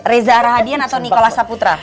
reza arahadian atau nicola saputra